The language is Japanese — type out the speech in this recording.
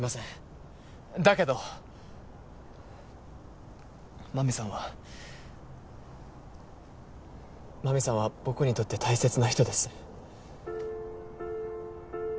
だけど真実さんは真実さんは僕にとって大切な人です。